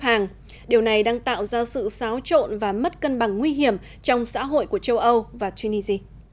hàng điều này đang tạo ra sự xáo trộn và mất cân bằng của các cộng đồng